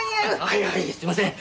はいはいすいません！